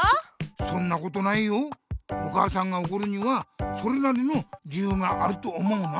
そんなことないよお母さんがおこるにはそれなりの理ゆうがあると思うな。